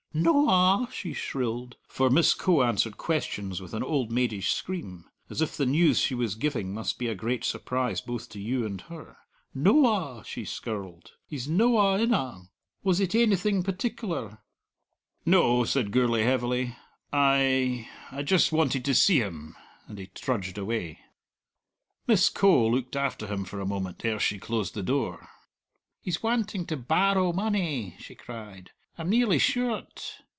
"No a!" she shrilled for Miss Coe answered questions with an old maidish scream, as if the news she was giving must be a great surprise both to you and her. "No a!" she skirled; "he's no a in a. Was it ainything particular?" "No," said Gourlay heavily. "I I just wanted to see him," and he trudged away. Miss Coe looked after him for a moment ere she closed the door. "He's wanting to barrow money," she cried; "I'm nearly sure o't!